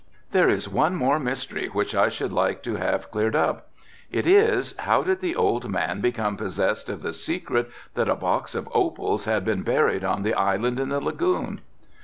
"There is one more mystery which I should like to have cleared up. It is, how did the old man become possessed of the secret that a box of opals had been buried on the island in the lagoon?"